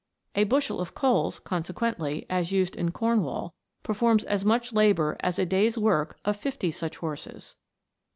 A bushel of coals, consequently, as used in Cornwall, perfonns as much labour as a day's work of fifty such horses.